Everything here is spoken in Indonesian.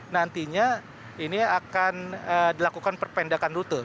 nantinya ini akan dilakukan perpendekan rute